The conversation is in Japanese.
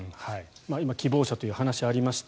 今、希望者という話がありました。